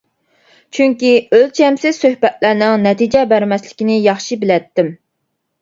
چۈنكى ئۆلچەمسىز سۆھبەتلەرنىڭ نەتىجە بەرمەسلىكىنى ياخشى بىلەتتىم.